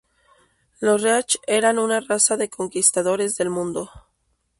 Los Reach eran una raza de conquistadores del mundo.